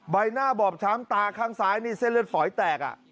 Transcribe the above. ใบหน้าบอบช้ำตาข้างซ้ายนี่เส้นเลือดฝอยแตก